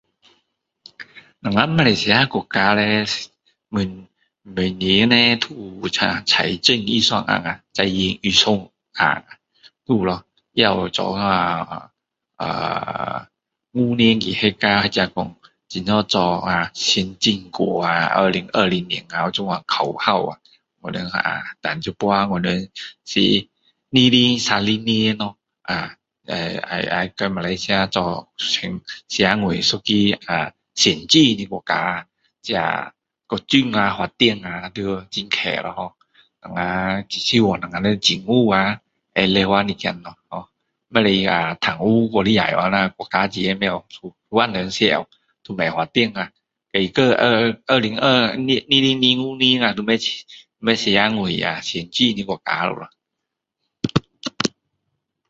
我们马来西亚国家叻每每年叻都有那财政预算案啊财政预算啊都有咯也有做啊五年计划或者说怎么做先进国啊二零二零年啊有这样口号我们啊然后现在我们是二零三零年咯啊呃要要跟马来西亚做社会一个先进的国家这各种发展要很快的ho我们希望我们的政府啊会努力一点咯ho不可以啊贪污太厉害去等下国家钱都被人吃了都不发展啊每个二二二零二二二零二五年都不不成为先进的国家了咯